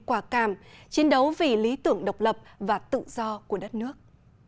quả càm chiến đấu vì lý tưởng độc lập và tự do của đất nước